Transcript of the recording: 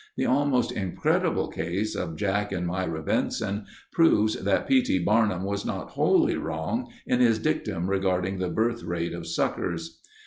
The almost incredible case of Jack and Myra Benson proves that P. T. Barnum was not wholly wrong in his dictum regarding the birthrate of suckers.